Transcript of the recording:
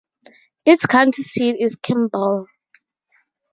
Its county seat is Kimball.